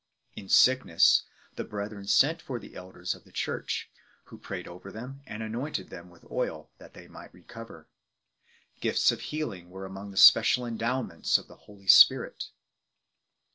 In sickness, the brethren sent for the elders of the Church, who prayed over them and anointed them with oil, that they might recover 6 ." Gifts of healing" were /mong the special endowments of the Holy Spirit.